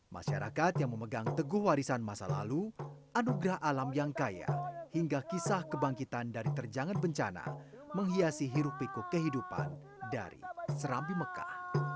masyarakat yang memegang teguh warisan masa lalu anugerah alam yang kaya hingga kisah kebangkitan dari terjangan bencana menghiasi hirup pikuk kehidupan dari serambi mekah